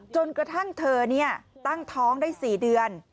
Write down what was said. จนกระทั่งเธอตั้งท้องได้๔เดือน